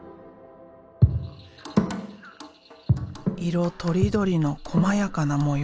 色とりどりのこまやかな模様。